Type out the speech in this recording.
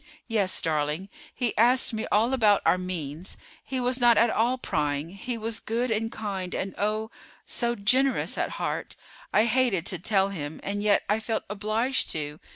"Yes, darling. He asked me all about our means. He was not at all prying; he was good and kind and oh! so generous at heart. I hated to tell him, and yet I felt obliged to.